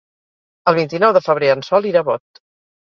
El vint-i-nou de febrer en Sol irà a Bot.